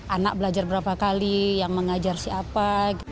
anak belajar berapa kali yang mengajar siapa